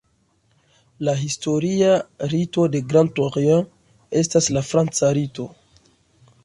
La historia rito de Grand Orient estas la franca rito.